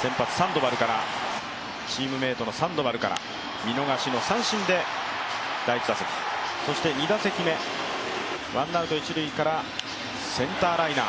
先発、チームメイトのサンドバルかち見逃しの三振で第１打席そして２打席目ワンアウト一塁からセンターライナー。